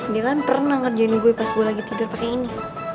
dia kan pernah ngerjain gue pas gue lagi tidur pakai ini